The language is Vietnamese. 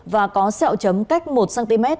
và có xeo chấm cách một cm